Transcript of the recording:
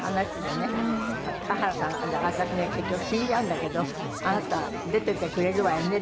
賀原さんが「だから私ね結局死んじゃうんだけどあなた出ててくれるわよね？」